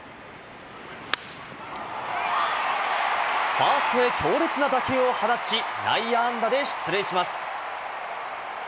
ファーストへ強烈な打球を放ち、内野安打で出塁します。